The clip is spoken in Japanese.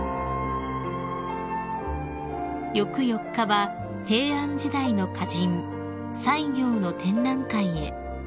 ［翌４日は平安時代の歌人西行の展覧会へ］